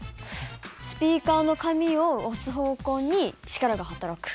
スピーカーの紙を押す方向に力が働く。